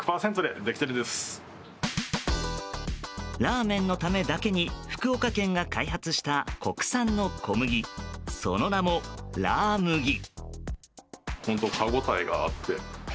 ラーメンのためだけに福岡県が開発した国産の小麦その名も、ラー麦。